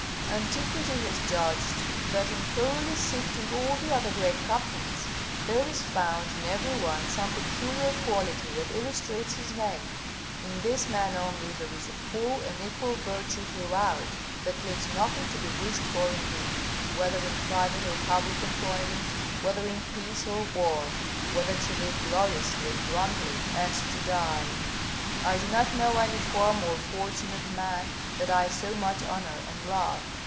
Antiquity has judged that in thoroughly sifting all the other great captains, there is found in every one some peculiar quality that illustrates his name: in this man only there is a full and equal virtue throughout, that leaves nothing to be wished for in him, whether in private or public employment, whether in peace or war; whether to live gloriously and grandly, and to die: I do not know any form or fortune of man that I so much honour and love.